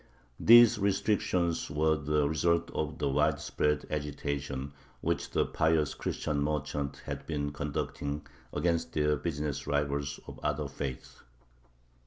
These restrictions were the result of the widespread agitation which the pious Christian merchants had been conducting against their business rivals of other faiths.